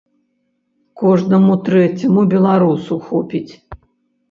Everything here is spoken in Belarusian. Кожнаму трэцяму беларусу хопіць!